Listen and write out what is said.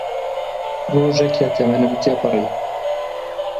ڕۆژێک لە تەمەنم تێپەڕی